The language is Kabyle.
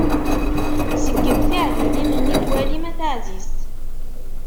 Seggem tiɛdilin-nni n walim a taɛzizt.